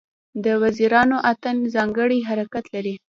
د وزیرو اتن ځانګړی حرکت لري.